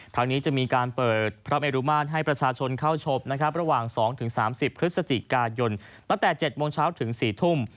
ทางนี้จะมีการเปิดพระเมรุมาตรให้ประชาชนเข้าชมนะครับระหว่าง๒๓๐พฤศจิกายนตั้งแต่๗โมงเช้าถึง๔ทุ่ม